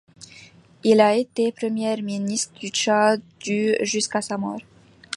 Il a été Premier ministre du Tchad du jusqu'à sa mort.